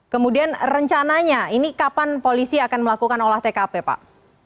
kemudian rencananya ini kapan polisi akan melakukan olah tkp pak